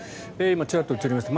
今、ちらっと映りました。